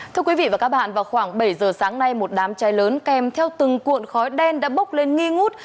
thưa quý vị và các bạn vào khoảng bảy giờ sáng nay một đám cháy lớn kèm theo từng cuộn khói đen đã bốc lên nghi ngút